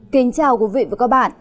kính chào quý vị và các bạn